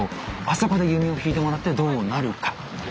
あそこで弓を引いてもらってどうなるか。